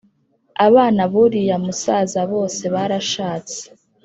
abana b’uriya musaza bose barashatse